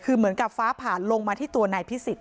คือเหมือนกับฟ้าผ่านลงมาที่ตัวนายพิสิทธ